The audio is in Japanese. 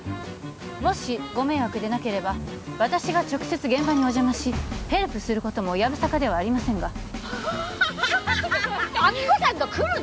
もしご迷惑でなければ私が直接現場にお邪魔しヘルプすることもやぶさかではありませんがハハハ亜希子さんが来るの！？